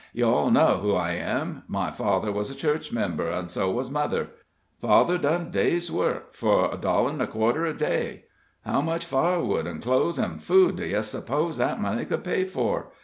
You all know who I am. My father was a church member, an' so was mother. Father done day's work, fur a dollar'n a quarter a day. How much firewood an' clothes an' food d'ye suppose that money could pay for?